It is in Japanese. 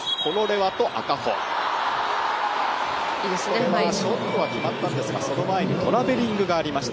これはショットは決まったんですがその前にトラベリングがありました。